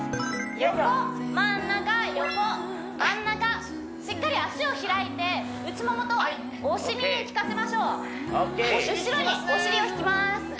横真ん中横真ん中しっかり足を開いて内ももとお尻にきかせましょうお尻にききますね